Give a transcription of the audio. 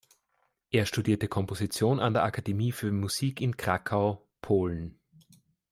Er studierte Komposition an der Akademie für Musik in Krakau, Polen.